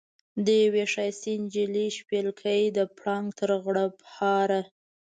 د یوې ښایستې نجلۍ شپېلکی د پړانګ تر غړمبهاره.